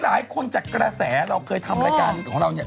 หลายคนจากกระแสเราเคยทำรายการของเราเนี่ย